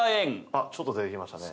あっちょっと出てきましたね